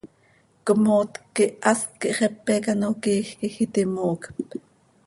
Cmootc quih hast quih xepe quih ano quiij quij iti moocp.